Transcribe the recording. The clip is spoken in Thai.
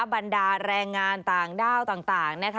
บรรดารแรงงานต่างต่างนะคะ